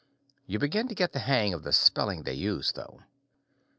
You begin to get the hang of the spelling they use, though.